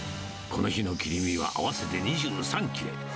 この日の切り身は合わせて２３切れ。